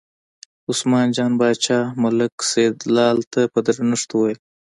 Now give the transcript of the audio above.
عثمان جان باچا ملک سیدلال ته په درنښت وویل.